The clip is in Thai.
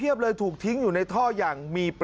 ที่มาช่วยลอกท่อที่ถนนหัวตะเข้เขตรักกะบังกรงเทพมหานคร